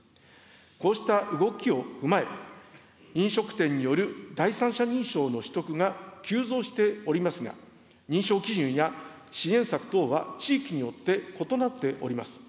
こうした動きを踏まえ、飲食店による第三者認証の取得が急増しておりますが、認証基準や支援策等は地域によって異なっております。